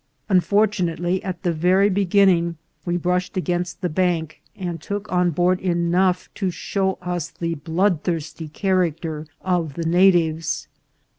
Unfortunately, at the very beginning we brushed against the bank, and took on board enough to show us the bloodthirsty character of the natives.